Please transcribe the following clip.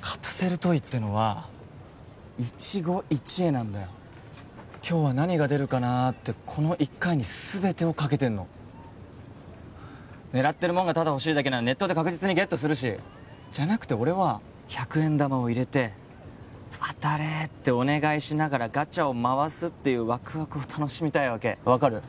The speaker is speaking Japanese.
カプセルトイってのは一期一会なんだよ今日は何が出るかなあってこの１回に全てをかけてんの狙ってるもんがただ欲しいだけならネットで確実にゲットするしじゃなくて俺は１００円玉を入れて「当たれ」ってお願いしながらガチャを回すっていうワクワクを楽しみたいわけ分かる？